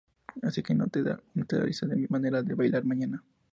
Así que no te dan risa de mi manera de bailar mañana.